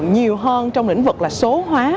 nhiều hơn trong lĩnh vực là số hóa